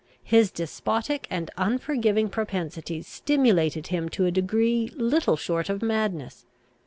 His despotic and unforgiving propensities stimulated him to a degree little short of madness.